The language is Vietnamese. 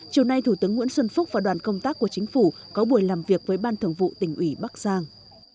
chiều nay thủ tướng nguyễn xuân phúc và đoàn công tác của chính phủ có buổi làm việc với ban thường vụ tỉnh ủy bắc giang